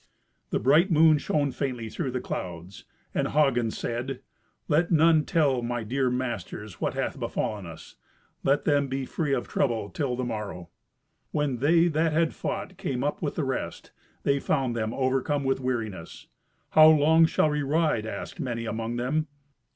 The bright moon shone faintly through the clouds, and Hagen said, "Let none tell my dear masters what hath befallen us. Let them be free of trouble till the morrow." When they that had fought came up with the rest, they found them overcome with weariness. "How long shall we ride?" asked many among them.